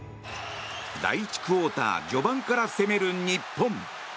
第１クオーター序盤から攻める日本。